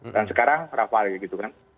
dan sekarang rafale gitu kan